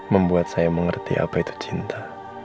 membuat saya mengerti apa itu cinta